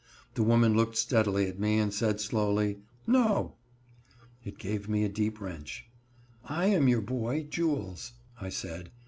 The woman looked steadily at me, and said slowly: "No." It gave me a deep wrench. "I am your boy Jules," I said.